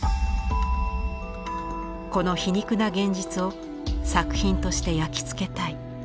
「この皮肉な現実を作品として焼きつけたい」。